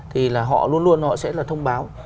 thì là họ luôn luôn họ sẽ là thông báo